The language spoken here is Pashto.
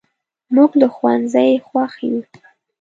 موږ له ښوونځي خوښ یو.